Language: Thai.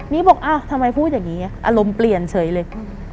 นี่บอกอ้าวทำไมพูดอย่างนี้อารมณ์เปลี่ยนเฉยเลย